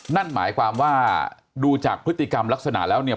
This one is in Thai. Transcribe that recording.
นั่นหมายความว่าดูจากพฤติกรรมลักษณะแล้วเนี่ย